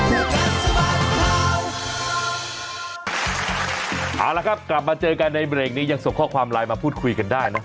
เอาละครับกลับมาเจอกันในเบรกนี้ยังส่งข้อความไลน์มาพูดคุยกันได้เนอ